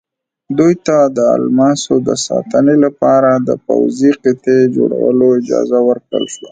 دوی ته د الماسو د ساتنې لپاره د پوځي قطعې جوړولو اجازه ورکړل شوه.